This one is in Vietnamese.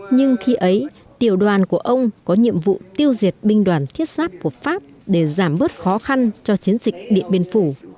nhưng khi ấy tiểu đoàn của ông có nhiệm vụ tiêu diệt binh đoàn thiết sáp của pháp để giảm bớt khó khăn cho chiến dịch điện biên phủ